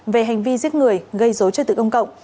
về hành vi giết người gây dối trật tự công cộng